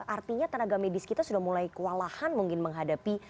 artinya tenaga medis kita sudah mulai kewalahan mungkin menghadapi